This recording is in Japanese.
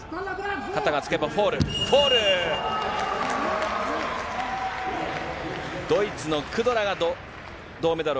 肩がつけばフォール。